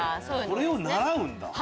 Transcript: それを習うんだ。